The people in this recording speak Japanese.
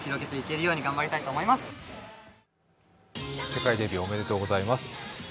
世界デビューおめでとうございます。